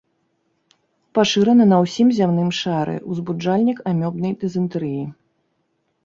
Пашырана на ўсім зямным шары, узбуджальнік амёбнай дызентэрыі.